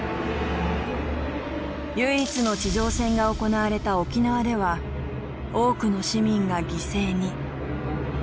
唯一の地上戦が行われた沖縄では多くの市民が犠牲に。